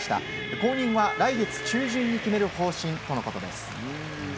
後任は来月中旬に決める方針とのことです。